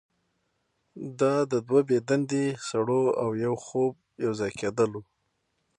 دا د دوه بې دندې سړو او یو خوب یوځای کیدل وو